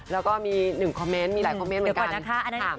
แล้วก็มีหนึ่งคอมเมนต์มีหลายคอมเมนต์เหมือนกันนะคะ